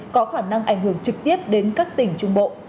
có khả năng ảnh hưởng trực tiếp đến các tỉnh trung bộ